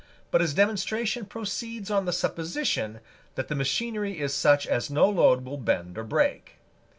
But his demonstration proceeds on the supposition that the machinery is such as no load will bend or break.